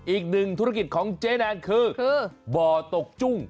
อีกหนึ่งธุรกิจของเจ๊แนนคือบ่อตกจุ้ง